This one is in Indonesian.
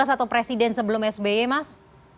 atau presiden sebelum sby mas